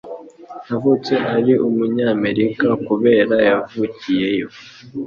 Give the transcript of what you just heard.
yavutse ari umunyamerika kubera yavukiyeyo